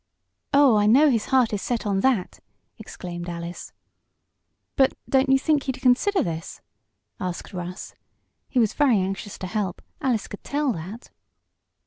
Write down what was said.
"Oh, I know his heart is set on that!" exclaimed Alice. "But don't you think he'd consider this?" asked Russ. He was very anxious to help Alice could tell that.